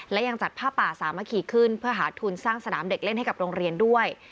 และยังจัดผ้าป่าสามัคคีขึ้นเพื่อหาทุนสร้างสนามเด็กเล่นให้กับโรงเรียนด้วย